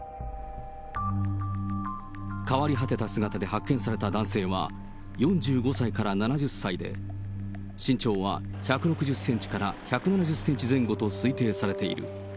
変わり果てた姿で発見された男性は、４５歳から７０歳で、身長は１６０センチから１７０センチ前後と推定されている。